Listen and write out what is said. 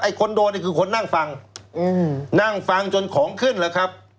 ไอ้คนโดนเนี่ยคือคนนั่งฟังนั่งฟังจนของขึ้นเหรอครับ